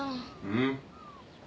うん？